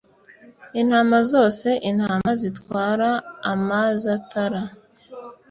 Intama zose intama zitwara amaztara